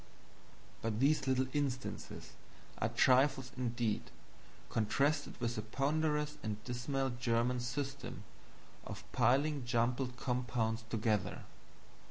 But these little instances are trifles indeed, contrasted with the ponderous and dismal German system of piling jumbled compounds together.